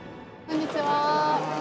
こんにちは。